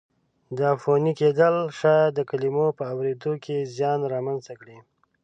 دا عفوني کېدل ښایي د کلمو په اورېدو کې زیان را منځته کړي.